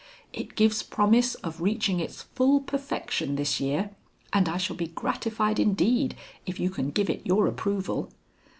It gives promise of reaching its full perfection this year, and I shall be gratified indeed if you can give it your approval."